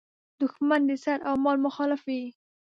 دوښمن د سر او مال مخالف وي.